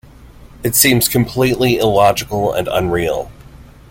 It seems completely illogical and unreal.